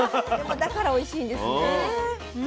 だからおいしいんですね。